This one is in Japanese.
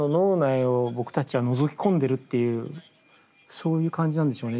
そういう感じなんでしょうね